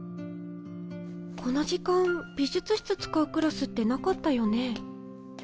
この時間美術室使うクラスってなかったよね。